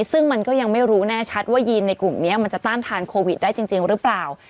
ซึ่งมันก็ยังไม่รู้แน่ชัดว่ายีนในกลุ่มนี้มันจะต้านทานโควิดได้จริงหรือเปล่า